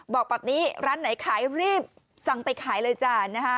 บอกแบบนี้ร้านไหนขายรีบสั่งไปขายเลยจ้านะคะ